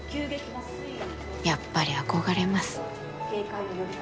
やっぱり憧れます。